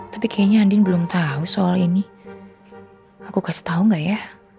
tapi kayaknya andin belum tahu soal ini aku kasih tau gak ya